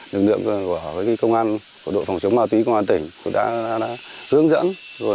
lực lượng của đội phòng chống ma túy công an tỉnh đã hướng dẫn